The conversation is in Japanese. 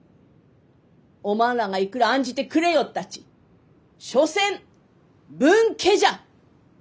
おまんらがいくら案じてくれよったち所詮分家じゃ！